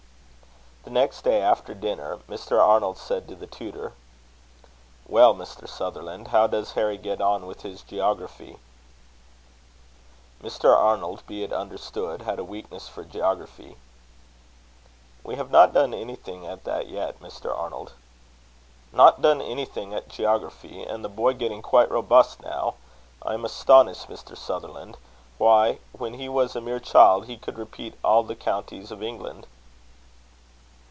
The next day, after dinner, Mr. Arnold said to the tutor: "Well, Mr. Sutherland, how does Harry get on with his geography?" Mr. Arnold, be it understood, had a weakness for geography. "We have not done anything at that yet, Mr. Arnold." "Not done anything at geography! And the boy getting quite robust now! I am astonished, Mr. Sutherland. Why, when he was a mere child, he could repeat all the counties of England."